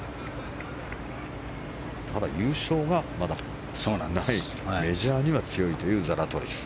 ただ、優勝がまだないメジャーには強いというザラトリス。